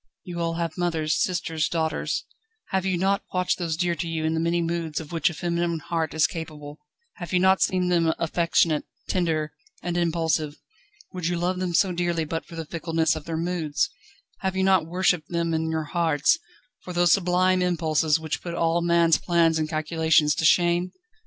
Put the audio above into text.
You all have mothers, sisters, daughters have you not watched those dear to you in the many moods of which a feminine heart is capable; have you not seen them affectionate, tender, and impulsive? Would you love them so dearly but for the fickleness of their moods? Have you not worshipped them in your hearts, for those sublime impulses which put all man's plans and calculations to shame?